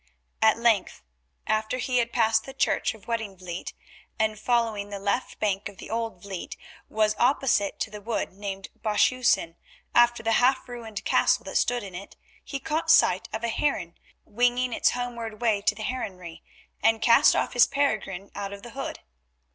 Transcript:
At length, after he had passed the church of Weddinvliet, and, following the left bank of the Old Vliet, was opposite to the wood named Boshhuyen after the half ruined castle that stood in it, he caught sight of a heron winging its homeward way to the heronry, and cast off his peregrine out of the hood.